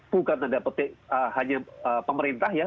bukan tanda petik hanya pemerintah ya